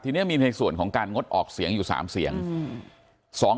ทีนี้มีในส่วนของการงดออกเสียงอยู่๓เสียง